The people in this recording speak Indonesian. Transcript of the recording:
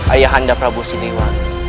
ayahanda prabu suliwangi